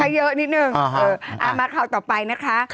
ใช้เยอะนิดนึงเออมาคราวต่อไปนะคะ